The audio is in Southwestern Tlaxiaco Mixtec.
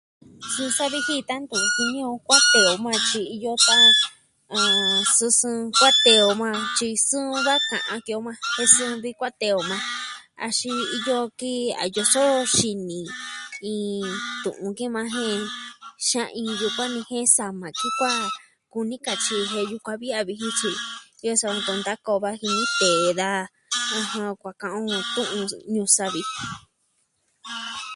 Su sa'a viji sa ntu jini o kuaa tee o majan tyi iyo sa, ah, sɨɨn sɨɨn kuaa tee o majan tyi sɨɨn vi a ka'an ki o majan. Jen sɨɨn vi kuaa tee o majan axin iyo ki a yoso xini iin tu'un ki yukuan jen xa iin yukuan ni jen sama ki kuaa, kuni katyi ji jen yukuan vi a viji tyi iyo sava ntu ntaka o va jini tee da kuaa ka'an o Tu'un Ñuu Savi